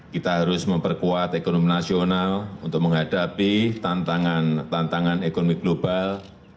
kita harus memperkuat ekonomi nasional untuk menghadapi tantangan ekonomi global